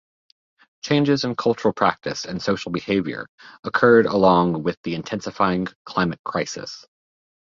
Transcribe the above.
Changes in cultural practice and social behaviour occurred along with the intensifying climate crisis.